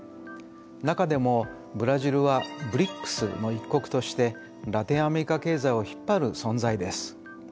中でもブラジルはＢＲＩＣＳの一国としてラテンアメリカ経済を引っ張る存在です。